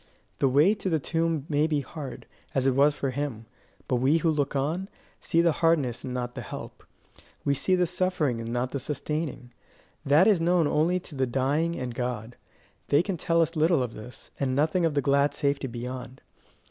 The way to the tomb may be hard, as it was for him; but we who look on, see the hardness and not the help; we see the suffering but not the sustaining: that is known only to the dying and God. They can tell us little of this, and nothing of the glad safety beyond.